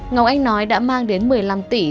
ngọc anh nói đã mang đến một mươi năm tỷ